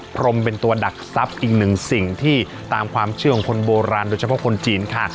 พรมเป็นตัวดักทรัพย์อีกหนึ่งสิ่งที่ตามความเชื่อของคนโบราณโดยเฉพาะคนจีนค่ะ